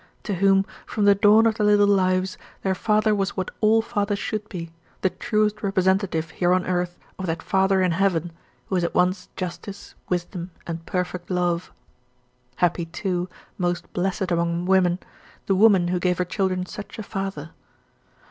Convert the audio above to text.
to whom, from the dawn of their little lives, their father was what all fathers should be the truest representative here on earth of that Father in heaven, who is at once justice, wisdom, and perfect love. Happy, too most blessed among women the woman who gave her children such a father!